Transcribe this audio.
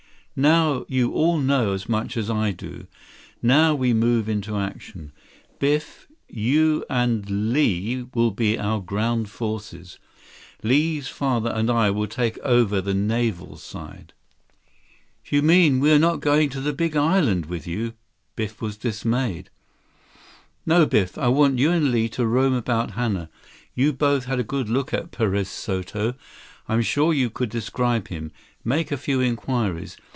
"Now you all know as much as I do. Now we move into action. Biff, you and Li will be our ground forces. Li's father and I will take over the naval side." "You mean we're not going to the Big Island with you?" Biff was dismayed. "No, Biff. I want you and Li to roam about Hana. You both had a good look at Perez Soto. I'm sure you could describe him. Make a few inquiries.